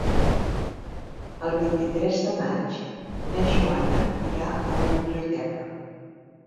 El vint-i-tres de maig na Joana irà a la biblioteca.